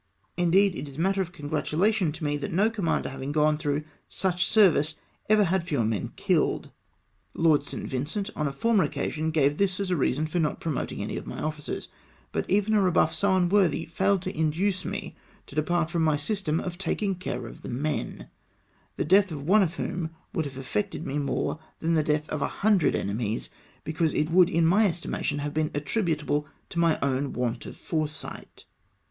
Indeed, it is matter of congratulation to me that no commander having gone through such service ever had fewer men killed. Lord St. Vincent on a former occasion gave tliis as a reason for not promoting my officers, but even a rebuff so unworthy failed to induce me to de part from my system of taking care of the men, the death of one of whom would have affected me more than the death of a hundred enemies, because it would, in my estimation, have been attributable to my own want of foresight.